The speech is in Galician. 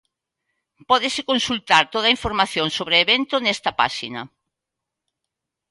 Pódese consultar toda a información sobre o evento nesta páxina.